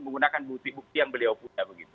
menggunakan bukti bukti yang beliau punya